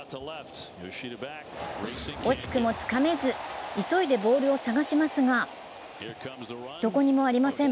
惜しくもつかめず急いでボールを探しますがどこにもありません。